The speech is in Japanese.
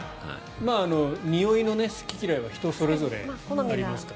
においの好き嫌いは人それぞれありますから。